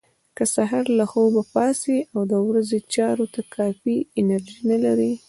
که سهار له خوبه پاڅئ او د ورځې چارو ته کافي انرژي نه لرئ.